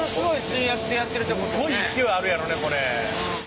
すごい勢いあるやろねこれ。